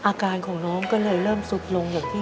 อะการของน้องก็เลยเริ่มซุกลง